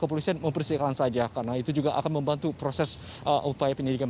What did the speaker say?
kepolisian mempersiapkan saja karena itu juga akan membantu proses upaya penyelidikan